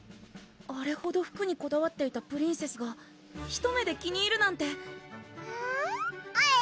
あれほど服にこだわっていたプリンセスがひと目で気に入るなんてふえるぅ！